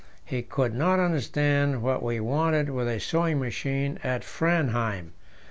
He could not understand what we wanted with a sewing machine at Framheim.